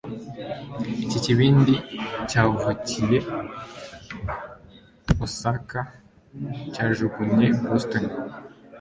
iki kibindi cyavukiye Osaka cyajugunye Boston